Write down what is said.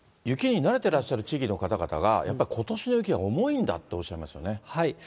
雪に慣れてらっしゃる地域の方々が、やっぱりことしの雪は重いんだとおっしゃいますよね。